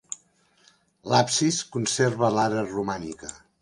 L'absis conserva l'ara romànica.